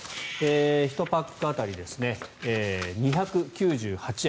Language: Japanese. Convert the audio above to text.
１パック当たり２９８円